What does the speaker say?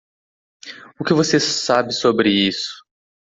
O que você sabe sobre isso.